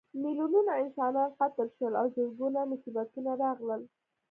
میلیونونه انسانان قتل شول او زرګونه مصیبتونه راغلل.